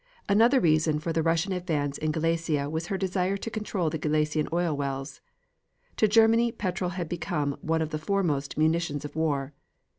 Another reason for the Russian advance in Galicia was her desire to control the Galician oil wells. To Germany petrol had become one of the foremost munitions of war.